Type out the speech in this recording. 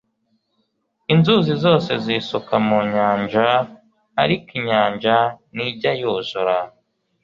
inzuzi zose zisuka mu nyanja, ariko inyanja ntijya yuzura